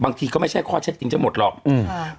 บางทีก็ไม่ใช่ข้อเช็ดจริงทั้งหมดหรอกอืม